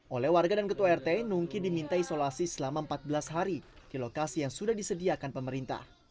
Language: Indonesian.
oleh warga dan ketua rt nungki diminta isolasi selama empat belas hari di lokasi yang sudah disediakan pemerintah